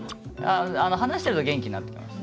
話してると元気になってきます。